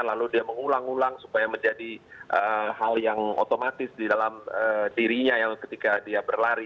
lalu dia mengulang ulang supaya menjadi hal yang otomatis di dalam dirinya ketika dia berlari